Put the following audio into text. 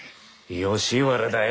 吉原だよ。